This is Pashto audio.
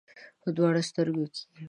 په دواړو سترګو کې یې